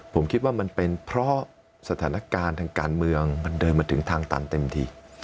ผมคิดว่ามันเป็นเพราะสถานการณ์ทางการเมืองมันเดินมาถึงทางตันเต็มที่